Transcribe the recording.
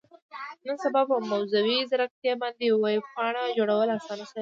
نن سبا په مصنوي ځیرکتیا باندې ویب پاڼه جوړول اسانه شوي دي.